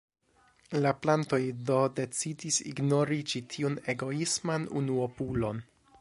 La plantoj do decidis ignori ĉi tiun egoisman unuopulon.